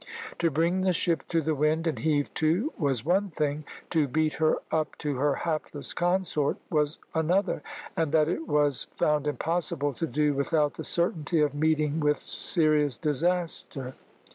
To bring the ship to the wind and heave to was one thing, to beat her up to her hapless consort was another, and that it was found impossible to do without the certainty of meeting with serious disaster.